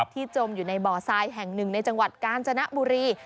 จมอยู่ในบ่อทรายแห่งหนึ่งในจังหวัดกาญจนบุรี